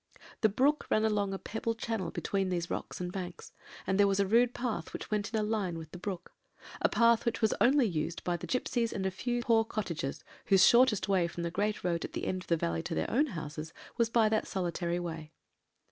The brook ran along a pebble channel between these rocks and banks, and there was a rude path which went in a line with the brook; a path which was used only by the gipsies and a few poor cottagers, whose shortest way from the great road at the end of the valley to their own houses was by that solitary way.